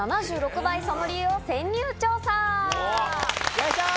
よいしょ！